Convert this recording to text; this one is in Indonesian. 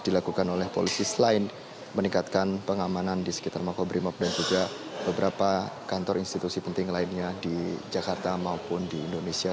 dilakukan oleh polisi selain meningkatkan pengamanan di sekitar makobrimob dan juga beberapa kantor institusi penting lainnya di jakarta maupun di indonesia